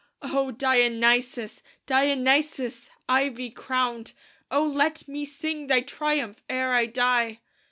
O Dionysos! Dionysos! ivy crowned! O let me sing thy triumph ere I die!"